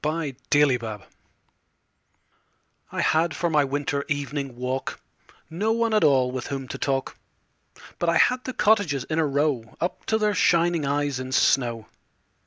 Good Hours I HAD for my winter evening walk No one at all with whom to talk, But I had the cottages in a row Up to their shining eyes in snow.